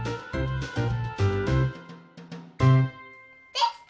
できた！